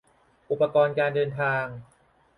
อุปกรณ์การเดินทาง